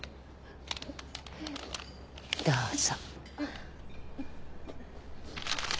どうぞ。